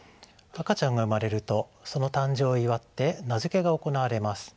赤ちゃんが産まれるとその誕生を祝って名付けが行われます。